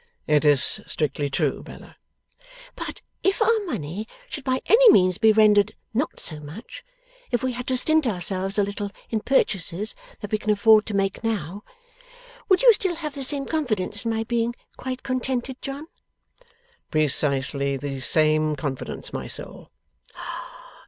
'It is strictly true, Bella.' 'But if our money should by any means be rendered not so much if we had to stint ourselves a little in purchases that we can afford to make now would you still have the same confidence in my being quite contented, John?' 'Precisely the same confidence, my soul.